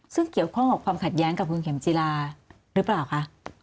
ซึ่งเกี่ยวข้องกับความขัดแย้งกับคุณเข็มจีราหรือเปล่าคะ